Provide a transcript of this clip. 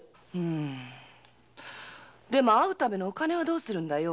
でも会うためのお金はどうするんだよ？